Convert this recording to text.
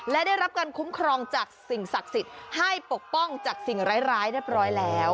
และได้รับการคุ้มครองจากสิ่งศักดิ์สิทธิ์ให้ปกป้องจากสิ่งร้ายเรียบร้อยแล้ว